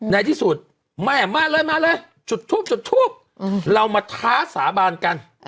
ในที่สุดแม่มาเลยมาเลยจุดทูปจุดทูปเรามาท้าสาบานกัน